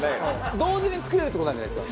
同時に作れるって事なんじゃないですか？